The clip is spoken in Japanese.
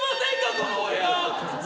このお部屋。